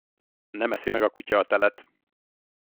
Nem eszi meg a kutya a telet.